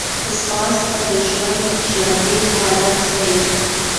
ځغاسته د ژوند ژوندي حالت ښيي